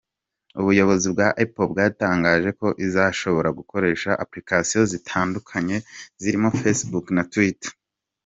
Ubuyobozi bwa Apple bwatangaje ko izashobora gukoresha Applications zitandukanye zirimo Facebook na Twitter.